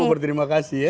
semua berterima kasih ya